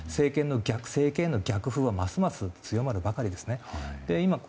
政権への逆風はますます強まるばかりですね。